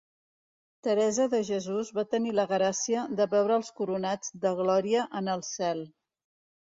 Teresa de Jesús va tenir la gràcia de veure'ls coronats de Glòria en el cel.